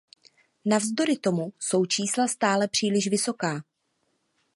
Navzdory tomu jsou čísla stále příliš vysoká.